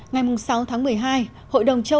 ngày sáu tháng một mươi hai hội đồng châu âu